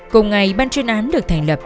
cùng ngày ban chuyên án được thành lập